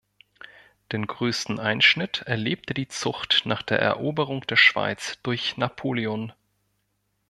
Den größten Einschnitt erlebte die Zucht nach der Eroberung der Schweiz durch Napoleon.